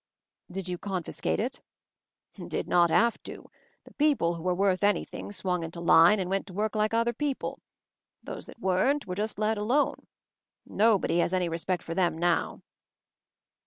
'Did you confiscate it?" 'Did not have to. The people who were worth anything, swung into line and went to work like other people. Those that weren't were just let alone. Nobody has any respect for them now."